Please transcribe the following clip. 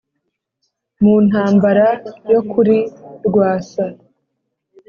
mu ntambara yo kuri rwasa